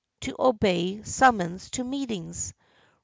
To obey summons to meetings.